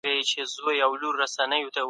هغوی راتلونکي بدلونونه هېر کړي وو.